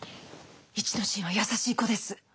一之進は優しい子です。